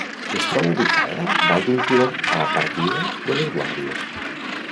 "Es troba ubicada dalt d'un turó, a la partida de ""Les Guàrdies""."